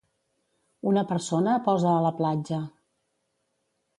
Una persona posa a la platja